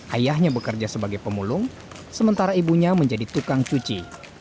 ayahnya bekerja sebagai pemulung sementara ibunya menjadi tukang cuci